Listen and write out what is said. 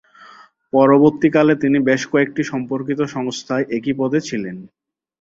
পরবর্তীকালে তিনি বেশ কয়েকটি সম্পর্কিত সংস্থায় একই পদে ছিলেন।